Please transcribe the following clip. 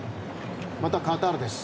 またカタールです。